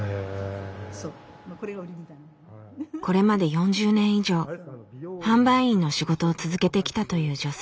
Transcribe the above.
これまで４０年以上販売員の仕事を続けてきたという女性。